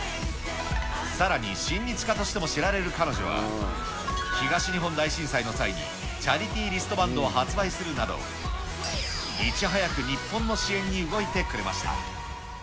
さらに親日家としても知られる彼女は東日本大震災の際に、チャリティリストバンドを発売するなど、いち早く日本の支援に動いてくれました。